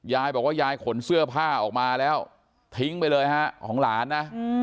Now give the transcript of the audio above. ยายบอกว่ายายขนเสื้อผ้าออกมาแล้วทิ้งไปเลยฮะของหลานนะ